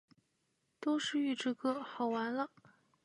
都是预制歌，好完了！